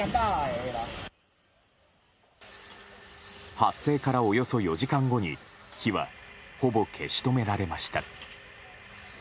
発生からおよそ４時間後に火は、ほぼ消し止められました。